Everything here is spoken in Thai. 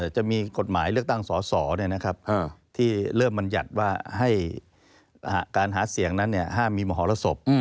จะมีกฎหมายเลือกตั้งสอสอที่เริ่มบรรยัติว่าให้การหาเสียงนั้นห้ามมีมหรสบ